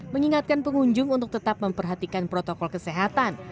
mengingatkan pengunjung untuk tetap memperhatikan protokol kesehatan